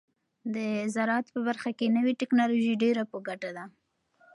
د زراعت په برخه کې نوې ټیکنالوژي ډیره په ګټه ده.